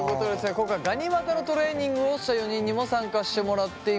今回ガニ股のトレーニングをした４人にも参加してもらっています。